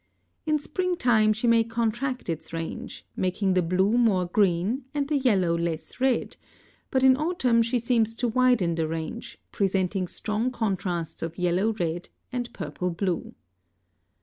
In spring time she may contract its range, making the blue more green and the yellow less red, but in autumn she seems to widen the range, presenting strong contrasts of yellow red and purple blue.